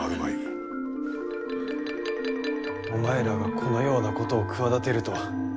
お前らがこのようなことを企てるとは。